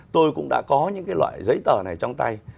tôi cũng đã có những cái loại giấy tờ này trong tay